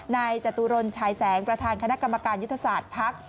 จตุรนชายแสงประธานคณะกรรมการยุทธศาสตร์ภักดิ์